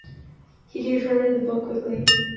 He gave her the book quickly.